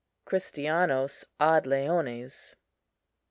CHRISTIANOS AD LEONES.